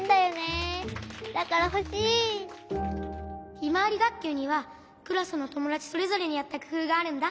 ひまわりがっきゅうにはクラスのともだちそれぞれにあったくふうがあるんだ。